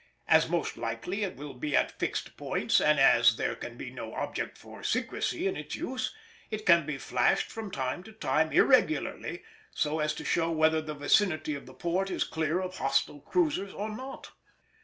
As most likely it will be at fixed points, and as there can be no object for secrecy in its use, it can be flashed from time to time irregularly so as to show whether the vicinity of the port is clear of hostile cruisers or not.